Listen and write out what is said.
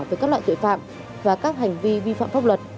với các loại tội phạm và các hành vi vi phạm pháp luật